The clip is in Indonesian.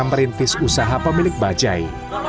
merintis usaha pemilik bajaj